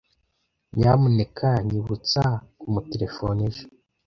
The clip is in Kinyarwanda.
Nyamuneka nyibutsa kumuterefona ejo.